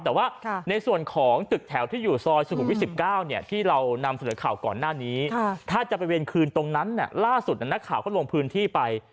แต่ว่าในส่วนของตึกแถวที่อยู่ซอยสุขุมวิท๑๙ที่เรานำเสนอข่าวก่อนหน้านี้ถ้าจะไปเวรคืนตรงนั้นล่าสุดนักข่าวก็ลงพื้นที่ไป